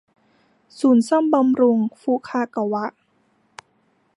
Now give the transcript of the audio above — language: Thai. ศูนย์ซ่อมบำรุงฟุคะกะวะ